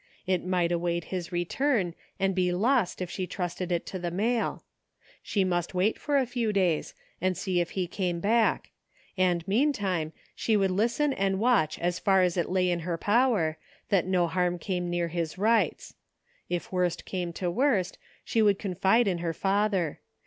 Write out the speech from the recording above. It might await his rettun and be lost if she trusted it to the mail. She must wait for a few days and see if he came back ; and meantime she would listen and watoh as far as it lay in her power, that no harm came near his rights. If worst came to worst she would confide in her father.